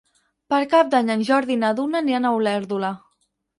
Per Cap d'Any en Jordi i na Duna aniran a Olèrdola.